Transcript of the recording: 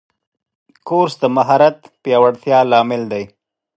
کورس د مهارت پیاوړتیا لامل دی.